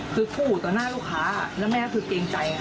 คือขู่ต่อหน้าลูกค้าแล้วแม่ก็คือเกรงใจค่ะ